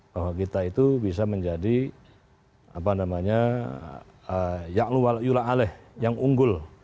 bahwa kita itu bisa menjadi ya'lu wa'liyul a'leh yang unggul